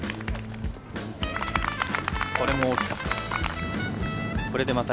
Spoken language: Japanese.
これも大きかった。